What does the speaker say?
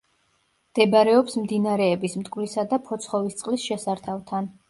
მდებარეობს მდინარეების მტკვრისა და ფოცხოვისწყლის შესართავთან.